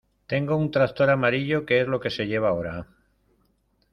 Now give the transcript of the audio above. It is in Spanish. Tengo un tractor amarillo, que es lo que se lleva ahora.